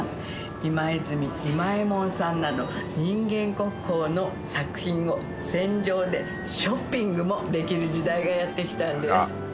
今泉今右衛門さんなど人間国宝の作品を船上でショッピングもできる時代がやってきたんです